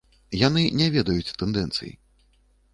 Яны не ведаюць тэндэнцый.